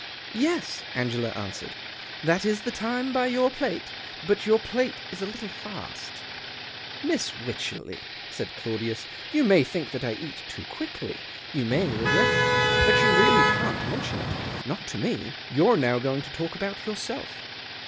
" Yes," Ano ela answered, " that is the time by your plate. But your plate's a little fast." "Miss Wycherley," said Claudius, " you may think that I eat too quickly. You may regret it. But you really can't mention it — not to me. You're now going to talk about yourself."